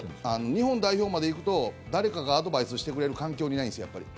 日本代表まで行くと誰かがアドバイスしてくれる環境にないんですよ、やっぱり。